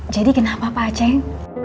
jadi kenapa pak ceng